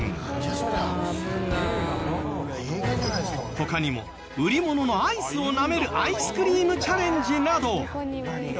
他にも売り物のアイスをなめるアイスクリームチャレンジなど。